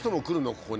ここに。